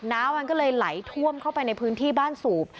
น้ำมันก็เลยไหลท่วมเข้าไปในพื้นที่บ้านสูบ